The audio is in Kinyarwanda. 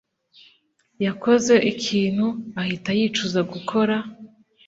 yakoze ikintu ahita yicuza gukora.